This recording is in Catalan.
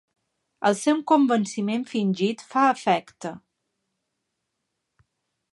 El seu convenciment fingit fa efecte.